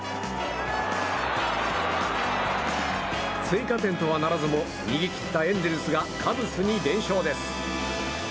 追加点とはならずも逃げ切ったエンゼルスがカブスに連勝です。